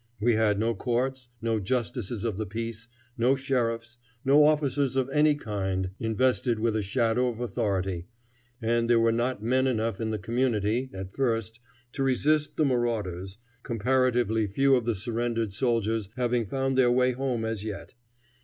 We had no courts, no justices of the peace, no sheriffs, no officers of any kind invested with a shadow of authority, and there were not men enough in the community, at first, to resist the marauders, comparatively few of the surrendered soldiers having found their way home as yet.